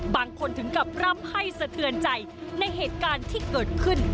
ถึงกับร่ำให้สะเทือนใจในเหตุการณ์ที่เกิดขึ้น